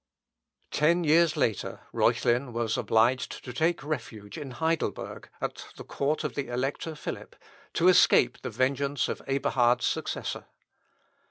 Ten years later Reuchlin was obliged to take refuge in Heidelberg, at the court of the Elector Philip, to escape the vengeance of Eberhard's successor.